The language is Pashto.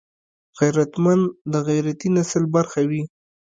غیرتمند د غیرتي نسل برخه وي